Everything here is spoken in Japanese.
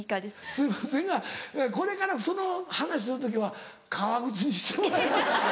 すいませんがこれからその話する時は革靴にしてもらえます？